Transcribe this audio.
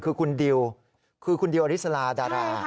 คือคุณดิวคือคุณดิวอริสลาดารา